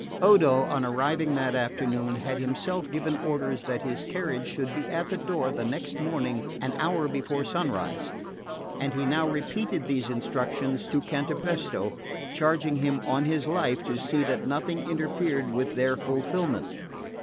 Odo on arriving that afternoon had himself given orders that his carriage should be at the door the next morning an hour before sunrise; and he now repeated these instructions to Cantapresto, charging him on his life to see that nothing interfered with their fulfilment.